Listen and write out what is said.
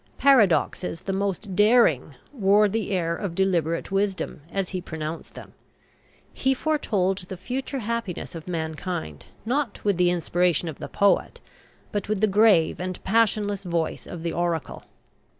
Paradoxes the most daring wore the air of deliberate wisdom as he pronounced them. He foretold the future happiness of mankind, not with the inspiration of the poet, but with the grave and passionless voice of the oracle.